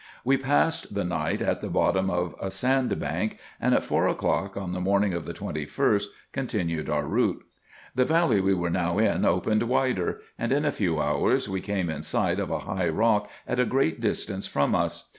We passed the night at the bottom of a sand bank, and at four o'clock on the morning of the 21st continued our route. The valley we were now in opened wider ; and, in a few hours, we came in sight of a high rock at a great distance from us.